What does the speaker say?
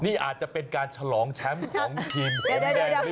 นี่อาจจะเป็นการฉลองแชมป์ของทีมผมได้ไหม